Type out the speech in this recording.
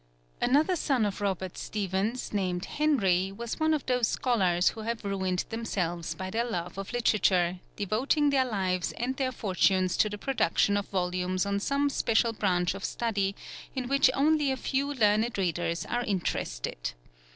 Another son of Robert Stephens, named Henry, was one of those scholars who have ruined themselves by their love of literature, devoting their lives and their fortunes to the production of volumes on some special branch of study in which only a few learned readers are interested.